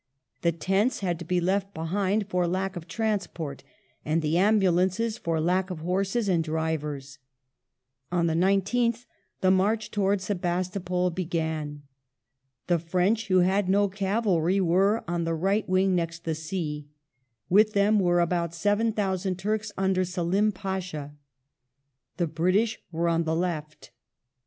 The tents had to be left behind for lack of transport, and the ambulances for lack of horses and drivers. On the 19th the march towards Sebastopol began. The French who had no cavalry were on the right wing next the sea ; with them were about 7,000 Turks under Selim Pasha ; the British were on the left.